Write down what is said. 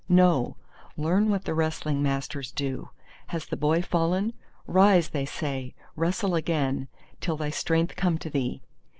No; learn what the wrestling masters do. Has the boy fallen? "Rise," they say, "wrestle again, till thy strength come to thee."